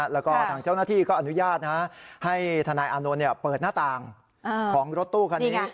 แล้วก็ทางเจ้าหน้าที่ก็อนุญาตให้ทนายอานนท์เปิดหน้าต่างของรถตู้คันนี้